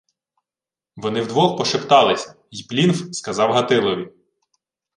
Вони вдвох пошепталися, й Плінф сказав Гатилові: